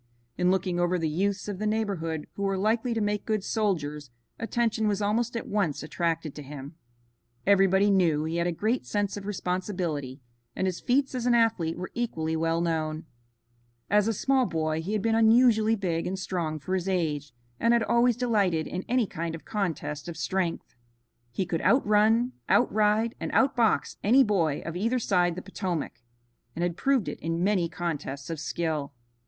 In looking over the youths of the neighborhood who were likely to make good soldiers, attention was almost at once attracted to him. Everybody knew he had a great sense of responsibility, and his feats as an athlete were equally well known. As a small boy he had been unusually big and strong for his age, and had always delighted in any kind of contest of strength. He could outrun, outride and outbox any boy of either side the Potomac, and had proved it in many contests of skill.